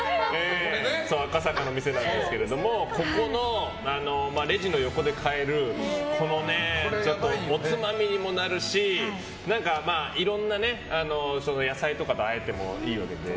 赤坂の店なんですけどここのレジの横で買えるおつまみにもなるしいろんな野菜とかとあえてもいいし。